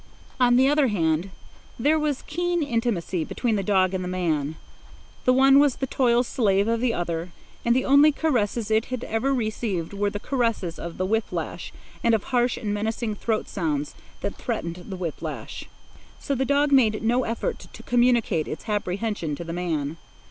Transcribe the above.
On the other hand, there was keen intimacy between the dog and the man. The one was the toil slave of the other, and the only caresses it had ever received were the caresses of the whip lash and of harsh and menacing throat sounds that threatened the whip lash. So the dog made no effort to communicate its apprehension to the man.